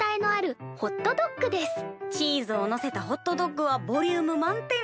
チーズをのせたホットドッグはボリューム満点。